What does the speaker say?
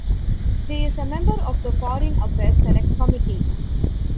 He is a member of the Foreign Affairs Select Committee.